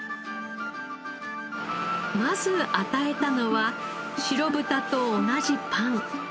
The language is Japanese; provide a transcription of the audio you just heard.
まず与えたのは白豚と同じパン。